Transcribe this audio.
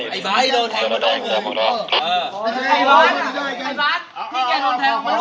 ไอ้บาร์สโดนแทงเพื่อน